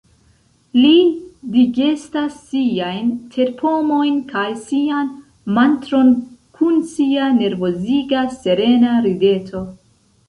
Li digestas siajn terpomojn kaj sian mantron kun sia nervoziga serena rideto.